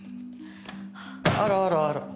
あらあらあら。